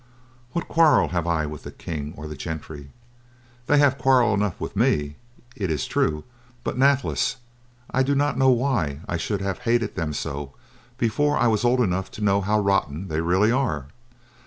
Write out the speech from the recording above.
"What quarrel have I with the King or the gentry? They have quarrel enough with me it is true, but, nathless, I do not know why I should have hated them so before I was old enough to know how rotten they really are.